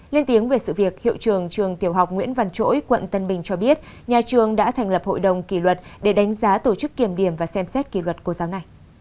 lên tiếng về sự việc hiệu trường trường tiểu học nguyễn văn chỗi quận tân bình cho biết nhà trường đã thành lập hội đồng kỷ luật để đánh giá tổ chức kiểm điểm và xem xét kỷ luật cô giáo này